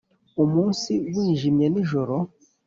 umunsi wijimye nijoro